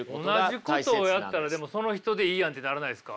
同じことをやったらでもその人でいいやんってならないですか？